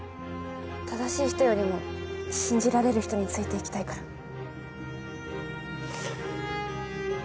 正しい人よりも信じられる人について行きたいから。